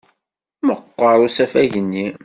Meɣɣer usafag-nni!